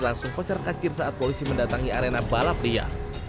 langsung kocar kacir saat polisi mendatangi arena balap liar